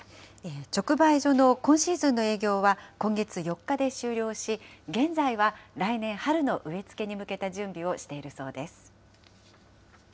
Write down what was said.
直売所の今シーズンの営業は今月４日で終了し、現在は来年春の植え付けに向けた準備をしているそうです。